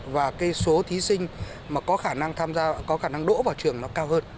và số thí sinh có khả năng đỗ vào trường cao hơn